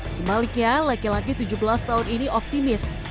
sebaliknya laki laki tujuh belas tahun ini optimis